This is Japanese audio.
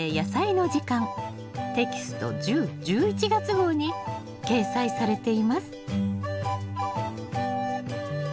テキスト１０・１１月号に掲載されています。